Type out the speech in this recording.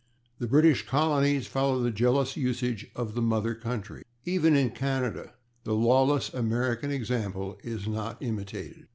The British colonies follow the jealous usage of the mother country. Even in Canada the lawless American example is not imitated.